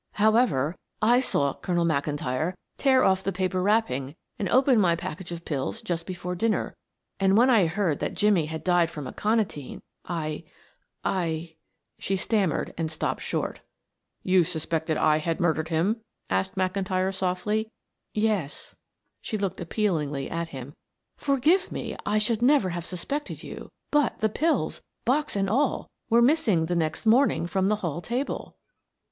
"However, I saw Colonel McIntyre tear off the paper wrapping and open my package of pills just before dinner, and when I heard that Jimmie had died from aconitine I I " she stammered and stopped short. "You suspected I had murdered him?" asked McIntyre softly. "Yes," she looked appealingly at him. "Forgive me, I should never have suspected you, but the pills, box and all, were missing the next morning from the hall table."